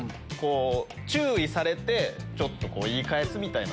注意されて言い返すみたいな。